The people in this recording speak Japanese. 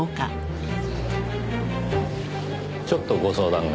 ちょっとご相談が。